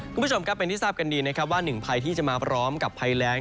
คุณผู้ชมครับเป็นที่ทราบกันดีนะครับว่าหนึ่งภัยที่จะมาพร้อมกับภัยแรง